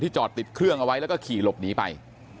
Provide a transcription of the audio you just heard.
จอดติดเครื่องเอาไว้แล้วก็ขี่หลบหนีไป